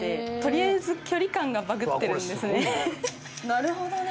なるほどね。